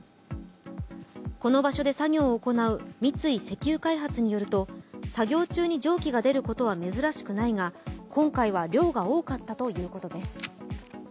この場所で作業を行う三井石油開発によると作業中に蒸気が出ることは珍しくないが今回は量が多かったということです。